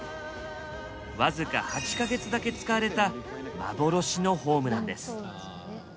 僅か８か月だけ使われた幻のホームなんです。